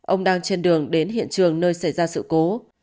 ông đang trên đường đến hiện trường nơi xảy ra sự cố